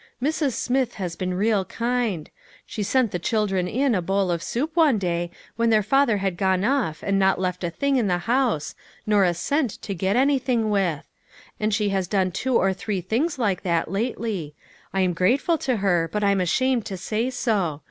Mrs. Smith has been real kind ; she sent the children in a bowl of soup one day when their father had gone off and not left a thing in the house, nor a cent to get anything with. " And she has done two or three things like that lately ; I'm grateful to her, but I'm ashamed to say so.